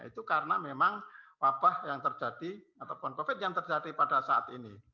itu karena memang wabah yang terjadi ataupun covid yang terjadi pada saat ini